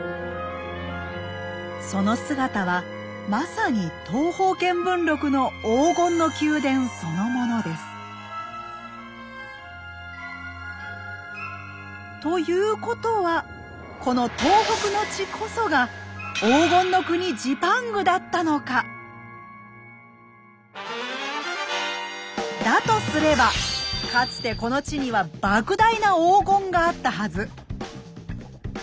その姿はまさに「東方見聞録」の「黄金の宮殿」そのものです。ということはこの東北の地こそがだとすればかつてこの地には「莫大な黄金」があったはず。